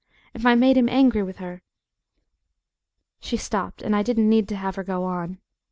If I made him angry with her " She stopped, and I didn't need to have her go on.